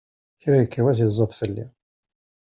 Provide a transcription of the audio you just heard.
Kra ikka wass, iẓẓad fell-i!